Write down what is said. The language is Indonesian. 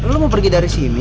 lu mau pergi dari sini